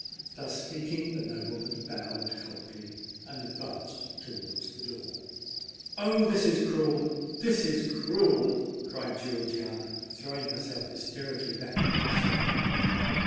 Thus speaking, the nobleman bowed coldly, and advanced towards the door. "Oh! this is cruel—this is cruel!" cried Georgiana, throwing herself hysterically back upon the sofa.